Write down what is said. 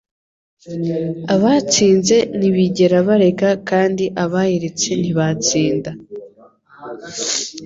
Abatsinze ntibigera bareka kandi abayiretse ntibatsinda.